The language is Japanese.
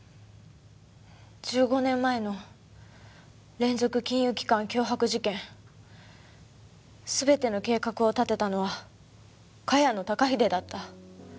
１５年前の連続金融機関脅迫事件全ての計画を立てたのは茅野孝英だった。